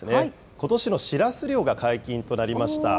ことしのシラス漁が解禁となりました。